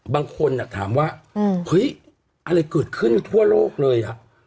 บางคนถามว่าเฮ้ยอะไรเกิดขึ้นทั่วโลกเลย